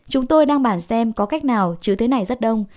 chúng tôi đang bản xem có cách nào chứ thế này rất đông